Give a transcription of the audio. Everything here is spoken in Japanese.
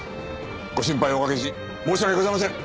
ご心配をおかけし申し訳ございません！